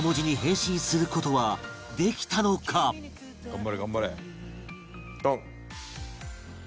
「頑張れ頑張れ」ドン！